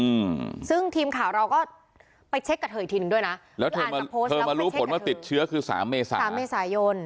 อืมซึ่งทีมข่าวเราก็ไปเช็คกับเธออีกทีหนึ่งด้วยนะแล้วเธอมาโพสต์เธอมารู้ผลว่าติดเชื้อคือสามเมษาสามเมษายน